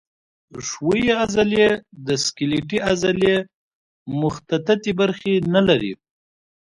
ښویې عضلې د سکلیټي عضلې مخططې برخې نه لري.